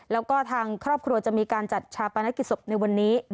แล้วก็ทางครอบครัวจะมีการจัดชาปนกิจศพในวันนี้